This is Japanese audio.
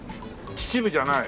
秩父じゃない。